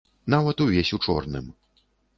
Нават увесь у чорным.